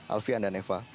alfian dan eva